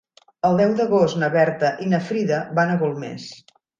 El deu d'agost na Berta i na Frida van a Golmés.